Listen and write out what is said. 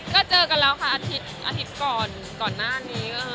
ก็เจอกันแล้วค่ะอาทิตย์ก่อนหน้านี้